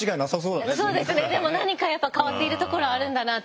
でも何か変わっているところはあるんだなって。